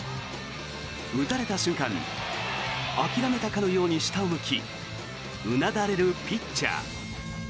打たれた瞬間諦めたかのように下を向きうなだれるピッチャー。